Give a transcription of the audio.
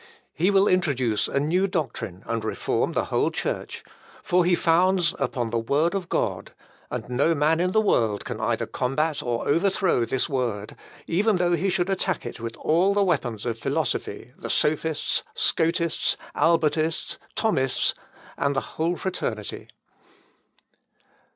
He will introduce a new doctrine, and reform the whole Church, for he founds upon the word of God; and no man in the world can either combat or overthrow this word, even though he should attack it with all the weapons of philosophy, the sophists, Scotists, Albertists, Thomists, and the whole fraternity."